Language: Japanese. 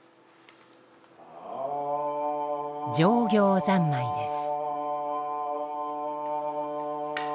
常行三昧です。